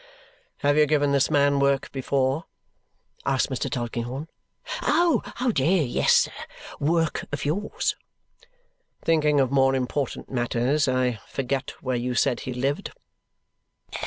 "Have you given this man work before?" asks Mr. Tulkinghorn. "Oh, dear, yes, sir! Work of yours." "Thinking of more important matters, I forget where you said he lived?"